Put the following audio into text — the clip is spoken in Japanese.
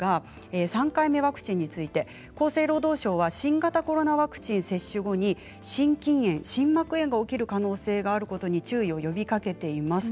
３回目ワクチンについて厚生労働省は新型コロナワクチン接種後に心筋炎、心膜炎が起きる可能性があることに注意を呼びかけています。